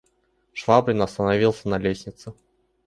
Швабрин остановился на лестнице.